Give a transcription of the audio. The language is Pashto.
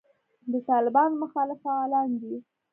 د طالبانو مخالف فعالان دي.